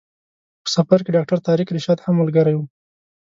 په سفر کې ډاکټر طارق رشاد هم ملګری و.